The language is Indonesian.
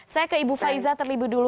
saya ke ibu faiza terlebih dulu